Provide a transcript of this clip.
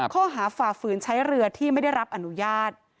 ฝ่าฝืนใช้เรือที่ไม่ได้รับอนุญาต